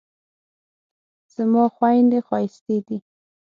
زما خویندې ښایستې دي